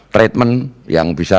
treatment yang bisa